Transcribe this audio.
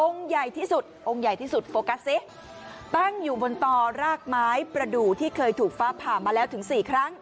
ใหญ่ที่สุดองค์ใหญ่ที่สุดโฟกัสสิตั้งอยู่บนต่อรากไม้ประดูกที่เคยถูกฟ้าผ่ามาแล้วถึงสี่ครั้ง